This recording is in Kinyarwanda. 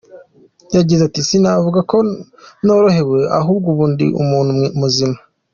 Yagize ati « Sinavuga ko norohewe ahubwo ubu ndi umuntu muzima.